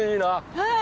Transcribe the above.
はい。